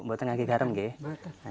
buatnya lagi garam ya